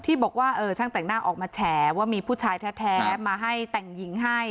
ที่บอกว่าช่างแต่งหน้าออกมาแฉว่ามีผู้ชายแท้มาให้แต่งหญิงให้